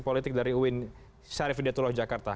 polisik dari uin syarifidatullah jakarta